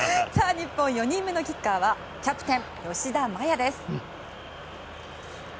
日本４人目のキッカーはキャプテン、吉田麻也です。